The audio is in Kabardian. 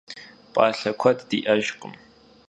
P'alhe kued di'ejjkhım.